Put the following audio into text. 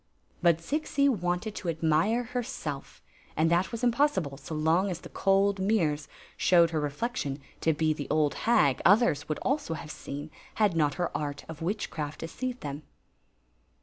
But Zixi wanted to admire herself ; and that was imfK)ssible so long the cold mirrors showed her reflection to be the hag others would also have seal had not her artb ^ witchcraft deceived tbem.